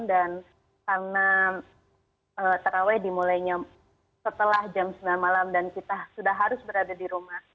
dan karena terawih dimulainya setelah jam sembilan malam dan kita sudah harus berada di rumah